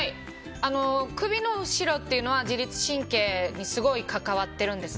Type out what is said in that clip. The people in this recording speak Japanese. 首の後ろというのは自律神経にすごい関わってるんです。